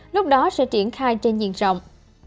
lúc đó sẽ triển khai trên diện rộng